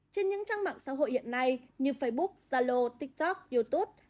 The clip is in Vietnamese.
trên những trang mạng xã hội hiện nay như facebook zalo tiktok youtube